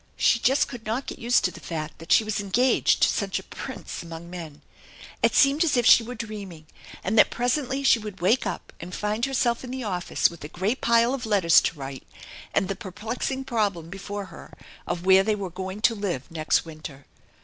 She just could not get used to the fact that she was engaged to such a prince among men ! It seemed as if she were dreaming, and that presently she would wake up and find herself in the office with a great pile of letters to write, and the perplexing problem before her of where they were going to live next winter.